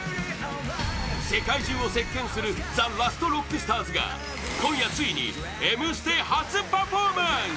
世界中を席巻するＴＨＥＬＡＳＴＲＯＣＫＳＴＡＲＳが今夜ついに「Ｍステ」初パフォーマンス！